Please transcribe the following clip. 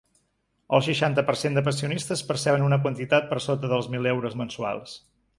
El seixanta per cent de pensionistes perceben una quantitat per sota dels mil euros mensuals.